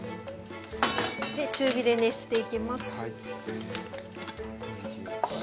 で中火で熱していきます。